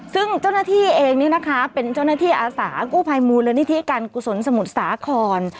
ซึ่งเจ้าหน้าที่เองนี่นะคะเป็นเจ้าหน้าที่อาสากู้ภัยมูลนิธิการกุศลสมุทรสาคร